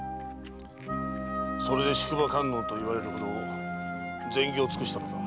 それで「宿場観音」と言われるほど善行を尽くしたのか。